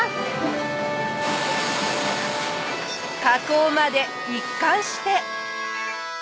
加工まで一貫して。